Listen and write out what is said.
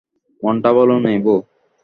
মনটা ভালো নেই বৌ।